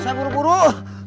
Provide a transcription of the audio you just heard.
saya mau ke rumah